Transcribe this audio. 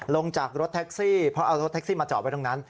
ลงจากรถแท็กซี่เพราะเอารถแท็กซี่มาจอดไว้ตรงนั้น